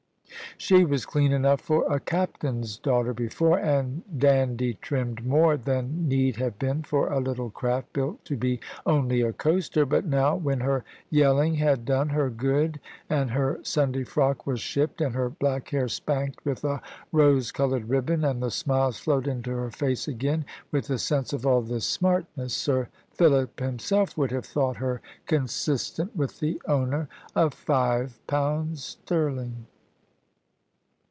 She was clean enough for a captain's daughter before, and dandy trimmed more than need have been for a little craft built to be only a coaster. But now when her yelling had done her good, and her Sunday frock was shipped, and her black hair spanked with a rose coloured ribbon, and the smiles flowed into her face again with the sense of all this smartness, Sir Philip himself would have thought her consistent with the owner of five pounds sterling.